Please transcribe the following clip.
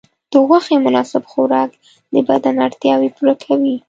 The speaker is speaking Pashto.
د غوښې مناسب خوراک د بدن اړتیاوې پوره کوي.